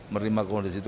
menerima keuangan di situ